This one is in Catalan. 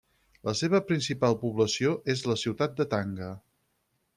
La seva principal població és la ciutat de Tanga.